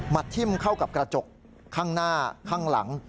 ทิ้มเข้ากับกระจกข้างหน้าข้างหลัง